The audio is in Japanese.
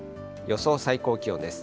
予想最高気温です。